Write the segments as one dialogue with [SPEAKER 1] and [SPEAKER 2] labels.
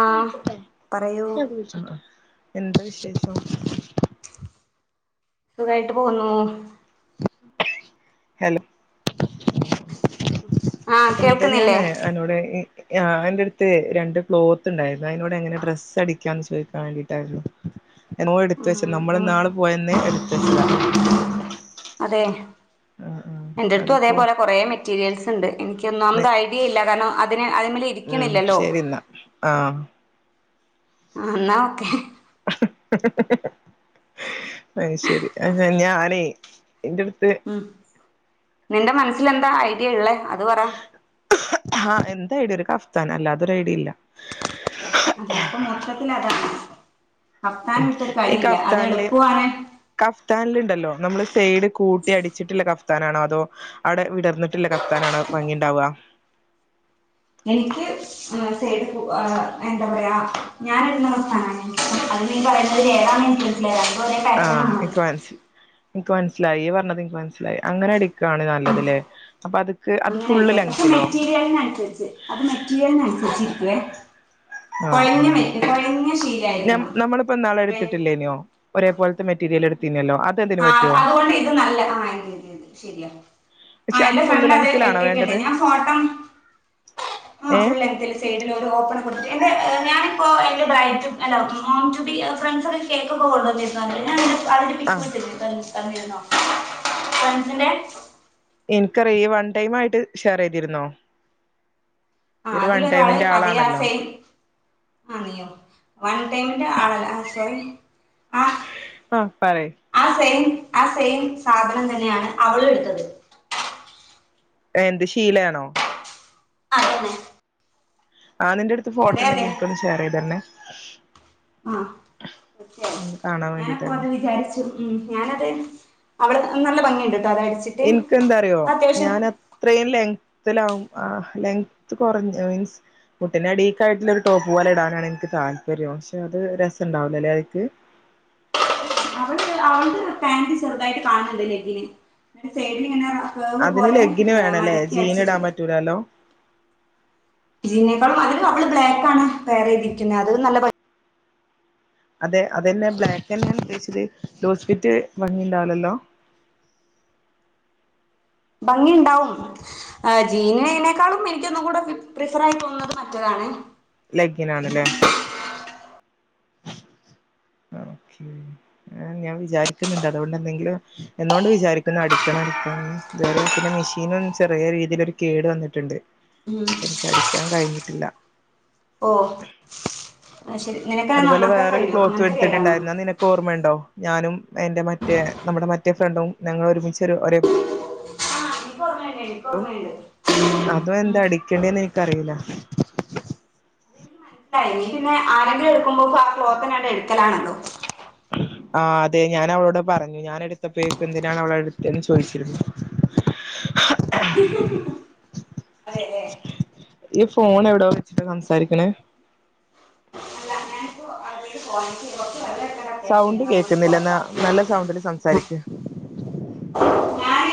[SPEAKER 1] ആഹ് പറയൂ
[SPEAKER 2] എന്താ വിശേഷം
[SPEAKER 1] സുഖായിട്ട് പോന്നു
[SPEAKER 2] ഹലോ
[SPEAKER 1] ആഹ്
[SPEAKER 2] എന്ത്‌
[SPEAKER 1] കേൾക്കുന്നില്ലേ
[SPEAKER 2] ഞാനേ അന്നോടെ ആ എന്റെ അടുത്ത് രണ്ട് ക്ലോത്ത് ഉണ്ടാരുന്നു അതിനോട് എങ്ങനെ ഡ്രസ്സ് അടി ക്കാൻ ചോയിക്കാൻ വാണ്ടീട്ടാരുന്നു എന്നോ എടുത്ത്
[SPEAKER 1] ഉം
[SPEAKER 2] വച്ച് നമ്മള്
[SPEAKER 1] ഉം
[SPEAKER 2] ഇന്നാള് പോയന്ന് എടുത്ത് വച്ചതാ
[SPEAKER 1] അതെ എന്റെ അടുത്തും
[SPEAKER 2] അതിപ്പോ
[SPEAKER 1] അതേപോലെ കൊറേ മെറ്റീരിയൽസ് ണ്ട് എനിക്ക് ക്ക്‌ ഒന്നാമത് ഐഡിയ ഇല്ല കാരണം അതിന് അതിമേൽ
[SPEAKER 2] ഉം
[SPEAKER 1] ഇരിക്കണില്ലല്ലോ
[SPEAKER 2] ശെരി എന്നാ ആഹ്
[SPEAKER 1] ആ ന്നാ ഓക്കെ
[SPEAKER 2] അയ് ശെരി അ ഞാ ഞാനെ എന്റെടുത്ത്
[SPEAKER 1] ഉം നിന്റെ മനസ്സൽ എന്താ ഐഡിയ ഉള്ളേ അത് പറ
[SPEAKER 2] ആഹ് എന്ത ഐഡിയ ഒരു കഫ്താന അല്ലാതൊരു ഐഡി ഇല്ല
[SPEAKER 1] അതെ ഇപ്പം മൊത്തത്തി അതാണ് കഫ്ത്താണി വിട്ടൊരു
[SPEAKER 2] ഈ
[SPEAKER 1] കളിയില്ല അത്
[SPEAKER 2] കഫ്താനില്
[SPEAKER 1] എളുപ്പമാണ്
[SPEAKER 2] കഫ്താനിലുണ്ടല്ലോ നമ്മള് സൈഡ് കൂട്ടി അടിച്ചിട്ടില്ല കഫ് താനാണോ അതോ അവിടെ വിടർന്നിട്ടില്ല കഫ്താനാണോ ഭംഗിണ്ടാവുക
[SPEAKER 1] എനിക്ക് സൈഡ് [unintelligible] എന്താ പറയാ ഞാനിന്ന ഫാ ഈ പറയുന്നത് [unintelligible]
[SPEAKER 2] ആഹ്
[SPEAKER 1] ആണല്ലോ
[SPEAKER 2] എനിക്ക് മന എനിക്ക് മനസ്സിലായി പറഞ്ഞതത് എനിക്കു മനസ്സിലായി അങ്ങനെ അടി കാണ് നല്ലതലേ അപ്പൊ അത്ക്ക് അത്
[SPEAKER 1] അങ്ങനെ
[SPEAKER 2] ഫുള്ള്
[SPEAKER 1] അടിക്കണം പക്ഷെ
[SPEAKER 2] ലെങ്ത്തിലോ
[SPEAKER 1] മെറ്റീരിയലിനനുസരിച്ച് അത് [unintelligible]
[SPEAKER 2] ആ
[SPEAKER 1] കുഴഞ്ഞ മെറ്റ കുഴഞ്ഞ ശീലായിരിക്കണം
[SPEAKER 2] നമ്മളിപ്പോ ഇന്നാൾ
[SPEAKER 1] കുഴ-
[SPEAKER 2] എടുത്തിട്ടില്ലേനോ ഒരേ പോലത്തെ മെറ്റീരിയൽ എടുത്തീനല്ലോ അതെന്തേന്
[SPEAKER 1] ആ
[SPEAKER 2] പറ്റുവോ
[SPEAKER 1] അതുകൊണ്ട് ഇത് നല്ല ആ രതിത് [unintelligible] ശരിയാ ആ
[SPEAKER 2] പക്ഷെ
[SPEAKER 1] എന്റെ
[SPEAKER 2] ഫുള്ള്
[SPEAKER 1] ഫ്രണ്ട് അത്
[SPEAKER 2] ലെങ്ത്തിലാണോ
[SPEAKER 1] എട്ടിട്ടുണ്ട്
[SPEAKER 2] വേണ്ടത്
[SPEAKER 1] ഞാൻ ഫോട്ടം ആ
[SPEAKER 2] ഏഹ്
[SPEAKER 1] ഫുൾ ലെങ്ങ്ത്തിൽ സൈഡിൽ ഒരു ഓപ്പൺ കൊടുത്തിട്ട് എന്റെ ഞാൻ ഇ അതിറെ ബ്രൈറ്റും [unintelligible] മോം ടൂ ബീ ഫ്രണ്ട്സ ഒക്കെ കേക്കെ ഓർഡർ ചെയ്തണ്ട് അവടെപ്പിക്ക
[SPEAKER 2] ആഹ്
[SPEAKER 1] [unintelligible] തിന്നോ പസിന്റെ
[SPEAKER 2] നിനക്കറിയ വൺ ടൈം ആയിട്ട് ഷെയർ ചെയ്തിരുന്നോ
[SPEAKER 1] ആ
[SPEAKER 2] ഇയ്യ് ഒരു വൺ
[SPEAKER 1] അതിലൊരാള്
[SPEAKER 2] ടൈമിന്റെ
[SPEAKER 1] അതേ ആ
[SPEAKER 2] ആളാണല്ലോ
[SPEAKER 1] സെയിം ആ ന്യോ വൺ ടൈമി ആളല്ല സോറി
[SPEAKER 2] ആ പറയ്
[SPEAKER 1] സെം ആ സെയിം സാധനം തന്നെയാണ് അവളും എടുത്തത്
[SPEAKER 2] എന്ത് ശീലയാണോ
[SPEAKER 1] അതന്നെ
[SPEAKER 2] ആഹ് നിന്റെ അടുത്ത് ഫോട്ടോ
[SPEAKER 1] അതെ
[SPEAKER 2] ഉണ്ടെങ്കി എനിക്ക് ഒന്ന് ഷെയർ ചെയ്ത് തരണെ
[SPEAKER 1] ആ തീർച്ചയായും
[SPEAKER 2] കാണാൻ
[SPEAKER 1] ഞാനപ്പ
[SPEAKER 2] വേണ്ടിട്ടായിരുന്നു
[SPEAKER 1] അത് വിചാരിച്ചു ഉം ഞാനത് അവള് നല്ല ഭംഗിയുണ്ട് ട്ടോ അത് അടിച്ചിട്ട്
[SPEAKER 2] എനിക്ക് എന്താ അറിയോ
[SPEAKER 1] അത്യാവശ്യം
[SPEAKER 2] ഞാൻ അത്ര ലെങ്ത് ത്തലാവും ലെങ്ത്ത് കുറഞ്ഞ മീൻസ് മുട്ടിനെ അഡീക്ക ആയിട്ടുള്ളൊരു ടോപ്പ് പോലെ ഇടാനാണ് എനിക്ക് ത താല്പര്യം പക്ഷെ അത് രസം ഉണ്ടാവലോല്ലെ അതിക്ക് [inaudible]
[SPEAKER 1] അവള് അവളുടെ പാന്റ് ചെറുതായിട്ട് കാണുന്നുണ്ട് ലെഗിന് അതിന്റെ സൈഡില് ങ്ങനെ
[SPEAKER 2] അതിന്
[SPEAKER 1] കറ്വ്പോലെ
[SPEAKER 2] ലെഗിന് വേണല്ലേ
[SPEAKER 1] മടക്കി
[SPEAKER 2] ജീൻ ഇടാൻ
[SPEAKER 1] അടിച്ചിട്ടുണ്ട്
[SPEAKER 2] പറ്റൂലല്ലോ
[SPEAKER 1] ഇതിനേക്കാളും അതില്അവള് ബ്ലാക്ക് ആണ് പെയർ ചെയ്തിരിക്കുന്നത് അത് നല്ല ഭ
[SPEAKER 2] അതെ അതന്നെ ബ്ലാക്ക്ന്നെഉദ്ദേിച്ചത് ലൂസ് ഫിറ്റ്‌ ഭംഗി ഉണ്ടാവില്ലല്ലോ [inaudible]
[SPEAKER 1] ഭംഗിഉണ്ടാവും ജീനിനേക്കാളും എനിക്കൊന്നും കൂടെ പ്രിഫർ ആയി തോന്നുന്നത് മറ്റതാണ്
[SPEAKER 2] ലെഗിനാണ്ല്ലേ ഓകെ ഞാൻ വിചാരിക്കുന്നുണ്ട് അതുകൊണ്ട് എന്തെങ്കിലും എന്നോണ്ട് വിചാരിക്കുന്നു അടിക്കണം ഇതുവരെ പിന്നെ മിഷീനും ചെറിയ രീതിൽ ഒര്കേട് വന്നിട്ടുണ്ട്
[SPEAKER 1] ഉം
[SPEAKER 2] എനിക്കടിക്കാൻ കഴിഞ്ഞിട്ടില്ല
[SPEAKER 1] ഓ അത് ശരി നിനക്കങ്ങനെ
[SPEAKER 2] അതുപോലെ
[SPEAKER 1] നന്നാക്കാൻ കഴിയോ
[SPEAKER 2] വേറൊരുക്ലോത്തും
[SPEAKER 1] അങ്ങനത്തെ കേടാണോ
[SPEAKER 2] എടുത്തിട്ടുണ്ടായിന്നു അത് നിനക്ക് ഓർമ്മയുണ്ടോ ഞാനും എന്റെ മറ്റേ നമ്മുടെ മറ്റേ ഫ്രണ്ടും ഞങ്ങൾഒരുമിച്ച് ഒരേ
[SPEAKER 1] ആ എനിക്ക് ഓർമ്മയുണ്ട് എനിക്ക് ഓർമയ്ണ്ട് മ്
[SPEAKER 2] ൻക്ക് അറീല
[SPEAKER 1] [unintelligible] ആ രങ്കി എടുക്കുമ്പോക്ക് ആ ക്ലോത്ത് തന്നെ ണ്ട് എടുക്കലാണല്ലോ
[SPEAKER 2] ആ അതെ ഞാൻ അവളോട് പറഞ്ഞു ഞാൻ എടുത്തപ്പോേക്ക് എന്തിനാണ് അവളടുത്തന്ന് ചോദിച്ചിരുന്നു
[SPEAKER 1] അതെ
[SPEAKER 2] [inaudible]
[SPEAKER 1] [unintelligible]
[SPEAKER 2] ഇയ്യ് ഫോൺ എവിടോ വെച്ചിട്ടാ സംസാരിക്ക്ണ്
[SPEAKER 1] അല്ല ഞാനിപ്പോ [unintelligible]
[SPEAKER 2] സൗണ്ട്
[SPEAKER 1] അത്യാവശ്യമില്ലേ അതുകൊണ്ട്
[SPEAKER 2] കേക്ക്ന്നില്ല എന്നാ
[SPEAKER 1] പുറത്താ
[SPEAKER 2] നല്ല സൗണ്ടില് സംസാരിക്ക്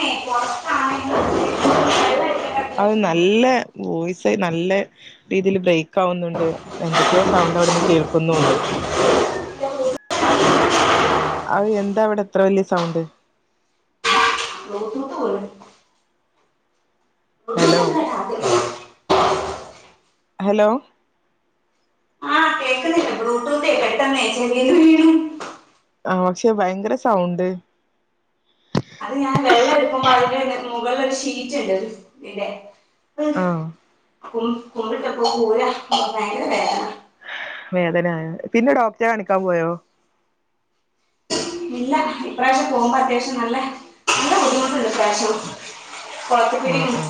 [SPEAKER 1] [inaudible] വെള്ളം എടുക്കേണ്ട
[SPEAKER 2] അത്
[SPEAKER 1] അത്യാവശ്യമുണ്ട്
[SPEAKER 2] നല്ല വോയ്സ് നല്ല രീതീല് ബ്രേക്ക് ആവുന്നുണ്ട് എന്തൊക്കെയോ സൗ അന്റെവിടെന്ന് കേൾക്കുന്നുണ്ട് അ എന്താ അവിടെ എത്ര വലിയ സൗണ്ട്
[SPEAKER 1] ബ്ലൂടൂത്ത് പോലും
[SPEAKER 2] ഹലോ
[SPEAKER 1] ബ്ലൂടൂത്ത് എന്താ അത്
[SPEAKER 2] ഹലോ
[SPEAKER 1] ആ കേൾക്കുന്നില്ല ബ്ലൂടൂത്തേ [inaudible]
[SPEAKER 2] ആഹ് ക്ഷെ ഭയങ്കര സൗണ്ട്
[SPEAKER 1] ഇപ്പം അതിന്റെ ന്റെ മുകള്ലൊരു ഷീറ്റ്ണ്ട് ഇതിന്റെ
[SPEAKER 2] ആ
[SPEAKER 1] കു കുമ്പിട്ടപ്പോ കൂരാ ഭയങ്കര വേദന
[SPEAKER 2] വേദന പിന്നെ ഡോക്ടറെ കാണിക്കാൻ പോയോ
[SPEAKER 1] ഇല്ല ഇപ്രാവശ്യം പോവുമ്പോ അത്യാവശ്യം നല്ല നല്ല ബുദ്ധിമുട്ട്ണ്ട് അത്യാവശ്യം കൊളത്തി
[SPEAKER 2] ആ
[SPEAKER 1] പിടി
[SPEAKER 2] ആ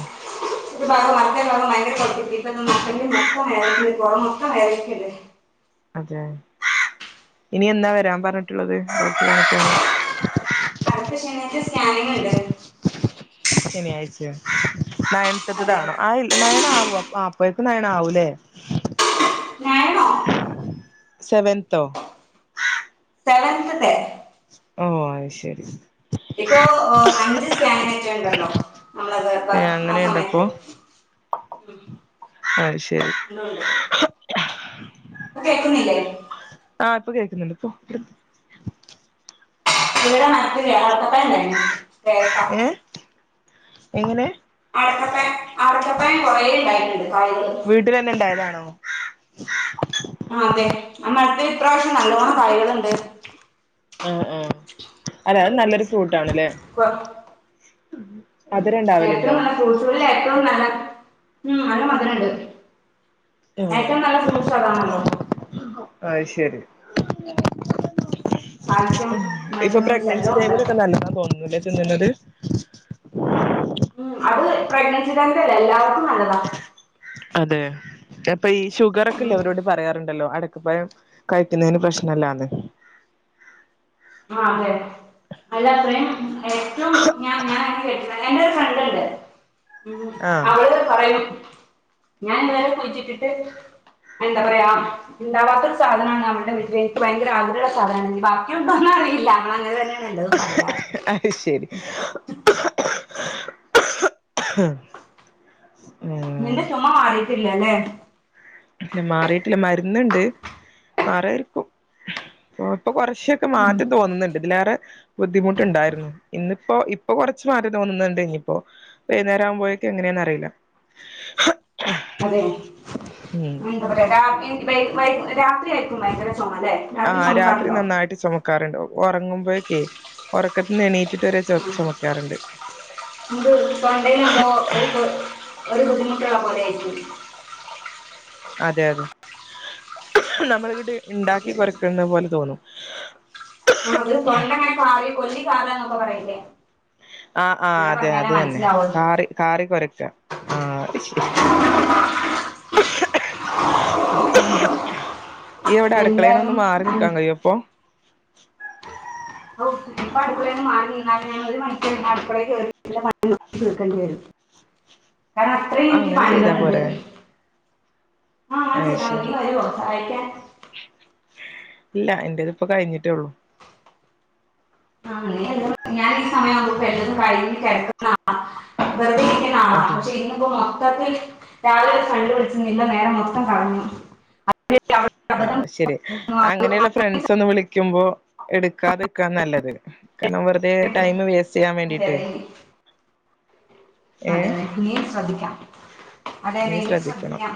[SPEAKER 1] ഇപ്പ വൈറലാ ഭയങ്കര കുഴ ഇപ്പ ന മൊത്തം വേദനിക്കാ പുറം മൊത്തം വേദന
[SPEAKER 2] അതെ ഇനി എന്നാ വരാൻ പറഞ്ഞിട്ടുള്ളത് ഡോക്ടറേ കാണിക്കാണ്
[SPEAKER 1] ാനങ്ങ ഇണ്ട് [unintelligible]
[SPEAKER 2] ശനി ആയിച്ചയോ
[SPEAKER 1] അതെ
[SPEAKER 2] നയനത്തെട്ടതാണോ ആയില്ല നയന ആാവു അ അപ്പേക്കും നയന ആാവൂല്ലേ
[SPEAKER 1] ഞാനണോ
[SPEAKER 2] സെവന്തോ
[SPEAKER 1] സെവൻ [unintelligible]
[SPEAKER 2] ഓ അത് ശരി
[SPEAKER 1] ഇപ്പൊ അഞ്ച് സ്കാനിങ്‌ ഒക്കെ ഉണ്ടല്ലോ നമ്മളത് ഇപ്പ
[SPEAKER 2] ഏ
[SPEAKER 1] ആ
[SPEAKER 2] അങ്ങനെയുണ്ടപ്പോ
[SPEAKER 1] സമയത്ത് ഉം.
[SPEAKER 2] അത് ശരി
[SPEAKER 1] ഇപ്പ കേക്കുന്നില്ലേ
[SPEAKER 2] ആ ഇപ്പ കേൾക്ക്ന്നുണ്ട് ഇപ്പൊ
[SPEAKER 1] ഇവിടെ മരത്തിൽ അടക്കപ്പായം ഉണ്ടായിന് പേരക്ക
[SPEAKER 2] ഏ എങ്ങനെ
[SPEAKER 1] അടക്കപ്പായം അടക്കാപ്പായം കുറേ ഉണ്ടായിട്ടുണ്ട് കായ്കള്
[SPEAKER 2] വീട്ടിലന്നെ ഇണ്ടായതാണോ
[SPEAKER 1] ആ അതെ അമ്മടുത്തെ ഇപ്രാവശ്യം നല്ലവണം കായകളുണ്ട്
[SPEAKER 2] അതെ അത് നല്ലൊരു ഫ്രൂട്ട് ആണ് ലെ
[SPEAKER 1] കൊ- ഏറ്റവും നല്ല [unintelligible] ഏറ്റവും നല്ല ഉം നല്ല മധുരണ്ട്
[SPEAKER 2] ഉം
[SPEAKER 1] ഏറ്റവും നല്ല ഫ്രൂട്ട്സ് ആതാ ണല്ലോ
[SPEAKER 2] അത് ശരി
[SPEAKER 1] കാൽസ്യം
[SPEAKER 2] ഇപ്പൊ
[SPEAKER 1] വൈറ്റമിൻസ്
[SPEAKER 2] പ്രഗ്നൻസി
[SPEAKER 1] എല്ലാം ഉണ്ട്
[SPEAKER 2] ടൈമിലൊക്കെ നല്ലതാ തോന്നുന്നു ലെ തിന്ന്ണത്
[SPEAKER 1] ഉം അത് പ്രഗ്നൻസി കാർക്കല്ല എല്ലാവർക്കും നല്ലതാ
[SPEAKER 2] അതെ അപ്പൊ ഈ ഷുഗർ ഒക്കെല്ലേ
[SPEAKER 1] ഉം
[SPEAKER 2] അവരോട് പറയാറുണ്ടല്ലോ അട [unintelligible] കഴിക്കുന്നതിന് പ്രശ്നല്ലാന്ന്
[SPEAKER 1] ആഹ് അതെ അല്ല അത്രയും ഏറ്റവും ഞ ഞാനായിട്ട് ഫ്രണ്ടായിട്ട് ഒര് ഫ്രണ്ട്ണ്ട് ഉ
[SPEAKER 2] ആ
[SPEAKER 1] അവള് പറയും ഞാൻ ഇതുവരെ കുഴിച്ചിട്ടിട്ട് എന്താ പറയാ ഇണ്ടാവാത്ത ഒരു സാധനാണ് അവളുടെ വീട്ടില് എനിക്ക് ഭയങ്കര ആഗ്രഹള്ള സാധനാണ് ഇനി ബാക്കിയൊന്നും എന്താന്ന് അറിയില്ല നല്ലത് തന്നെയാണ് എല്ലതും പറയാറ്
[SPEAKER 2] അത് ശരി
[SPEAKER 1] നിന്റെ
[SPEAKER 2] ഉം
[SPEAKER 1] ചുമ മാറിയിട്ട് ഇല്ലല്ലേ
[SPEAKER 2] മാറിയിട്ടില്ല മരുന്നുണ്ട് മാറുമായിരിക്കും ഇപ്പൊ കുറച്ചൊക്കെ
[SPEAKER 1] ഉം,
[SPEAKER 2] മാറ്റം തോന്നുന്നുണ്ട് ഇതിലേറെ ബുദ്ധിമുട്ടുണ്ടായിരുന്നു ഇന്നിപ്പോ ഇപ്പൊ കുറച്ച് മാറ്റം തോന്നുന്നുണ്ട് ഇനിയിപ്പോ വൈകുന്നേം ആകുമ്പോയേക്ക് എങ്ങനെ ന്ന് അറീല്ല
[SPEAKER 1] അതെ എന്താ പറയാ രാത്രി ആയിരിക്ക ഭയക്കര
[SPEAKER 2] ആ രാത്രി നന്നായിട്ട് ചുമക്കാറുണ്ട് ഉറങ്ങുമ്പോഴക്കെ ഉറക്കത്തിന്ന് എണീ
[SPEAKER 1] ആ [unintelligible] പണ്ടേയുണ്ടോ ഒര് [unintelligible] ഒര് ബുദ്ധിമുട്ടുള്ള പോലെ ആയിരിക്കും
[SPEAKER 2] അതെ അതെ നമ്മള ഇവിടെ ഉണ്ടാക്കി കുരക്കുന്നത് പോലെ തോന്നും
[SPEAKER 1] ആ അത് തൊണ്ടങ്ങനെ കാറി കൊല്ലിക്കറന്നൊക്കെ പറയില്ലേ
[SPEAKER 2] ആ ആ
[SPEAKER 1] അങ്ങനെ
[SPEAKER 2] അതെ അത്
[SPEAKER 1] പറഞ്ഞാലേ
[SPEAKER 2] തന്നെ
[SPEAKER 1] മനസ്സിലാവുള്ളൂ
[SPEAKER 2] കാറി കാറി കുരക്ക ആ ശരി ഈ വടെ അടുക്കളേന്ന് ഒന്ന്
[SPEAKER 1] എന്തായാലും
[SPEAKER 2] മാറി
[SPEAKER 1] ഉം
[SPEAKER 2] നിക്കാൻ കയ്യോ ഇപ്പൊ
[SPEAKER 1] ഔ ഇപ്പ അടുക്കളേന്ന് മാറി നിന്നാല് ഞാൻ ഒരു മണി [unintelligible] ക്കളെ കേറി പിന്നെ പണിട്ത്ത് തീർകണ്ടയരും കാരണം അത്രയും
[SPEAKER 2] ആ
[SPEAKER 1] എനിക്ക്
[SPEAKER 2] അങ്ങനെ ചെയ്താ
[SPEAKER 1] പണികള്ണ്ട്
[SPEAKER 2] പോരെ
[SPEAKER 1] ആഹ് അങ്ങന
[SPEAKER 2] അത്
[SPEAKER 1] ചെയ്താ മതി
[SPEAKER 2] ശരി
[SPEAKER 1] നീ വരോ സഹായിക്കാൻ
[SPEAKER 2] ഇല്ല എന്റേത് ഇപ്പ കഴിഞ്ഞിട്ടേ ള്ളൂ
[SPEAKER 1] ആ ഞാൻ ഈ സമയമാവുമ്പോക്ക് എല്ലതുംകഴിഞ്ഞ് കിടക്കന്ന ആളാ വെറുതെ ഇരിക്കുന്നയാളാ
[SPEAKER 2] അതെ
[SPEAKER 1] പക്ഷേ ഇന്നിപ്പം മെ മൊത്തത്തി രാവിലെ ഒര് ഫ്രണ്ട് വിളിച്ച് ഇല്ലനേരം മൊത്തം കളഞ്ഞു അതിൽ അവിടെ
[SPEAKER 2] ആ
[SPEAKER 1] അബദ്ധം
[SPEAKER 2] ശരി
[SPEAKER 1] പറ്റുന്നു, അത്
[SPEAKER 2] അങ്ങനെയുള്ള ഫ്രണ്ട്സ് ഒന്നും വിളിക്കുമ്പോ എടുക്കാതെ ക്കാ നല്ലത് കാരണം വെറുതെ ടൈം വേസ്റ്റ് ചെയ്യാൻ
[SPEAKER 1] അതെ
[SPEAKER 2] വേണ്ടിട്ട്
[SPEAKER 1] അതെ
[SPEAKER 2] ഏ
[SPEAKER 1] അതെ അതെ ഇനിയും ശ്രദ്ധിക്കാം അതെതെ
[SPEAKER 2] ഇനി
[SPEAKER 1] ഇനിം
[SPEAKER 2] ശ്രദ്ധിക്കണം
[SPEAKER 1] ശ്രദ്ധിക്കാം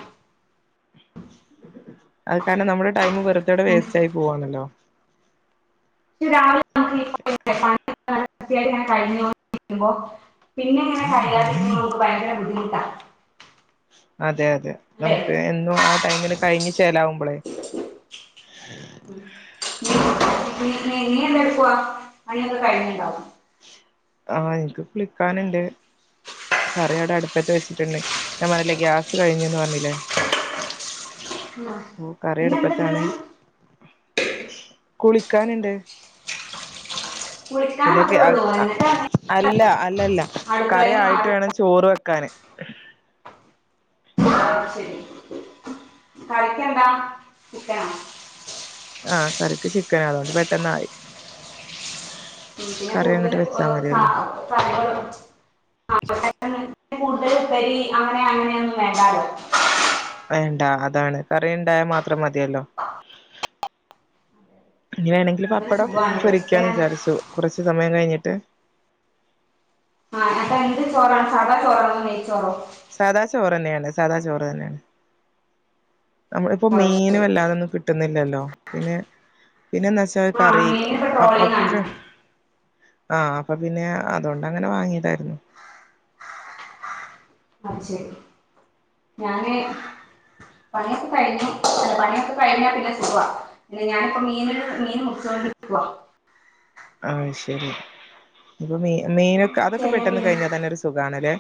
[SPEAKER 2] അത് കാരണം നമ്മുടെ ടൈം വെറുതവിടെ
[SPEAKER 1] ഉം.
[SPEAKER 2] വേസ്റ്റ് ആയി പോവാണല്ലോ
[SPEAKER 1] ഇക്ക് രാവിലെ നമ്മളീ നീക്കുമ്പം ല്ലേ [unintelligible] പിന്നെങ്ങനെ
[SPEAKER 2] ആ
[SPEAKER 1] കഴിയാതിരിക്കുമ്പോ നമുക്ക് ഭയക്കരബുദ്ധിമുട്ടാ
[SPEAKER 2] അതെ അതെ നമുക്ക് എന്നും ആ ടൈമ്ന് കഴിഞ്ഞ് ചേലാവുമ്പോളേ
[SPEAKER 1] ഉം നീ- നീ എന്തെടുക്കുവാ പണിയൊക്കെ കഴിഞ്ഞുണ്ടാവും
[SPEAKER 2] ആ എനിക്ക് കുളിക്കാനുണ്ട് കറിയോടെ അടുപ്പത്ത് വെച്ചിട്ടുണ്ട് ഞാൻ പറഞ്ഞല്ലേ ഗ്യാസ് കഴിഞ്ഞന്ന് പറഞ്ഞില്ലേ
[SPEAKER 1] ഉം.
[SPEAKER 2] ഓ കറി
[SPEAKER 1] പിന്നെ
[SPEAKER 2] അടുപ്പത്താണ്
[SPEAKER 1] എന്തുണ്ടെന്ന്
[SPEAKER 2] കുളിക്കാനുണ്ട്
[SPEAKER 1] കുളിക്കാൻ
[SPEAKER 2] പിന്നെക്കെ
[SPEAKER 1] മാത്രമേ
[SPEAKER 2] ആ
[SPEAKER 1] ഉള്ളൂ എന്നിട്ടാണ്
[SPEAKER 2] അല്ല അല്ലല്ല
[SPEAKER 1] അടുക്കളയിൽ
[SPEAKER 2] കറി
[SPEAKER 1] നിന്ന്
[SPEAKER 2] ആയിട്ട്
[SPEAKER 1] മാറി
[SPEAKER 2] വേണം ചോറ് വെക്കാന്
[SPEAKER 1] അ ശരി കറിക്കെന്താ ചിക്കനാ
[SPEAKER 2] കറക്ക് ചിക്കൻ അതുകൊണ്ട് പെട്ടെന്നായി
[SPEAKER 1] പി പിന്നെ
[SPEAKER 2] കറി
[SPEAKER 1] കൂടുതൽ
[SPEAKER 2] അങ്ങട്ട് വെച്ചാ മതിയല്ലോ
[SPEAKER 1] കറികളും
[SPEAKER 2] [unintelligible]
[SPEAKER 1] കൂടുതൽ എരി അങ്ങനെ അങ്ങനെയൊന്നും വേണ്ടാല്ലോ
[SPEAKER 2] വേണ്ടാ അതാണ് കറി ഉണ്ടായാൽ മാത്രം മതിയല്ലോ ഇങ്ങനെയാണെങ്കിൽ
[SPEAKER 1] അതൊരു
[SPEAKER 2] പപ്പടം
[SPEAKER 1] സുഖമാണ്
[SPEAKER 2] പൊരിക്കാ എന്ന്
[SPEAKER 1] ചിക്കൻ
[SPEAKER 2] വിചാരിച്ചു കുറച്ചു സമയം കഴിഞ്ഞിട്ട്
[SPEAKER 1] ആ അപ്പ എന്ത് ചോറാണ് സദാ ചോറാണോ നെയച്ചോറോ
[SPEAKER 2] സാദാ ചോറ്ന്നെയാണ് സാദാ ചോറ് തന്നെയാണ് നമ്മള ഇപ്പോ
[SPEAKER 1] ഓ
[SPEAKER 2] മീൻ
[SPEAKER 1] ശരി
[SPEAKER 2] വല്ലാതെന്നും കിട്ടുന്നില്ലല്ലോ പിന്നെ പിന്നെന്താ വച്ചാൽ
[SPEAKER 1] ആ
[SPEAKER 2] കറി
[SPEAKER 1] മീനിന് ഇപ്പൊ ട്രോളിംഗ് ആണ്
[SPEAKER 2] ഒക്കെ ആഹ് അപ്പൊ പിന്നെ അതോണ്ടങ്ങനെ വാങ്ങിതായിരുന്നു.
[SPEAKER 1] അ ശെരി ഞാന് പണിയൊക്കെ കഴിഞ്ഞു പണിയൊക്കെ കഴിഞ്ഞാ പിന്നെ സുക പിന്നെ ഞാനിപ്പോ മീന മീൻ മുറിച്ചൊ [unintelligible]
[SPEAKER 2] ആഹ് ശെരി ഇപ്പൊ മി
[SPEAKER 1] മീൻ
[SPEAKER 2] മീനൊക്കെ
[SPEAKER 1] മുറിച്ച്
[SPEAKER 2] അതൊക്കെ
[SPEAKER 1] കഴിഞ്ഞാൽ
[SPEAKER 2] പെട്ടെന്ന്
[SPEAKER 1] പിന്നെ
[SPEAKER 2] കഴിഞ്ഞാ തന്നെ ഒരു സുകാണ്ല്ലേ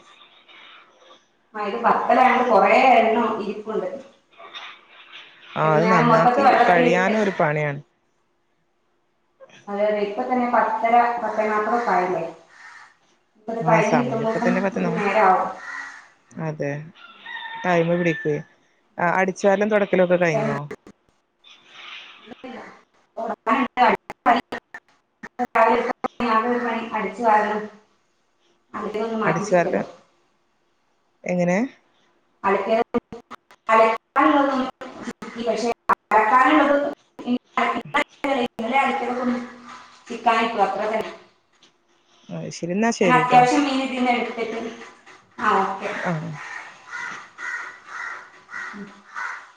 [SPEAKER 1] ആ ഇത് പത്തലായോണ്ട് കൊറെേ എണ്ണം ഇരിപ്പുണ്ട്.
[SPEAKER 2] ആ അത്
[SPEAKER 1] എന്നാലും
[SPEAKER 2] നന്നാക്കി
[SPEAKER 1] മൊത്തത്തി വെള്ളത്തിലിട്ട്.
[SPEAKER 2] കഴിയാനും ഒരു പണിയാണ്
[SPEAKER 1] അതെ അതെ ഇപ്പ തന്നെ പത്തര പത്തെന്നാപ്പതൊക്കെക്കായല്ലേ ഇപ്പത്
[SPEAKER 2] ആ
[SPEAKER 1] കയ്ഞ്ഞ്
[SPEAKER 2] സമയം ഇപ്പ
[SPEAKER 1] കിട്ടുമ്പോക്കും
[SPEAKER 2] തന്നെ പത്ത്
[SPEAKER 1] ഒരു
[SPEAKER 2] ന
[SPEAKER 1] നേരാവും
[SPEAKER 2] അതെ ടൈമ് പിടിക്കൊഹ് അ അടിച്ചവാര്ലും തൊട്ക്കലൊക്കെ കയിഞ്ഞോ
[SPEAKER 1] [inaudible] [unintelligible] [unintelligible] ഒന്ന് മാറ്റി
[SPEAKER 2] അടിച്ചുവാരല്
[SPEAKER 1] ചിക്കടട്ടെ
[SPEAKER 2] എങ്ങനെ
[SPEAKER 1] [unintelligible] [unintelligible] അത്ര തന്ന
[SPEAKER 2] ആ ശരി എന്നാ
[SPEAKER 1] ഞാൻ
[SPEAKER 2] ശരിട്ടോ
[SPEAKER 1] അത്യാവശ്യം മീൻ ഇതിന്ന് എടുത്തിട്ടു
[SPEAKER 2] ആഹ്
[SPEAKER 1] [inaudible]